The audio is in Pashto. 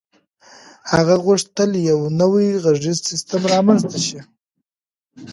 هغه غوښتل یو نوی غږیز سیسټم رامنځته شي